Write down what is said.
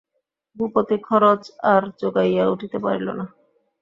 ভূপতি খরচ আর জোগাইয়া উঠিতে পারিল না।